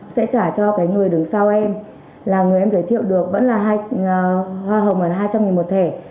sẽ trả cho người đứng sau em là người em giới thiệu được vẫn là hoa hồng hai trăm linh một thẻ